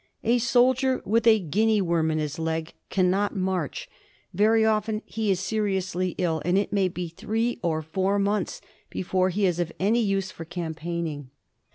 A soldier with a Guinea worm in his leg cannot march, very often he is seriously .ill, and it may be three or four months before he is of any use for campaigning.